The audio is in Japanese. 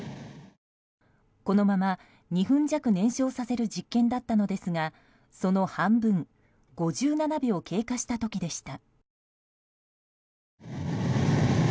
このまま２分弱燃焼させる実験だったのですがその半分５７秒経過した時でした。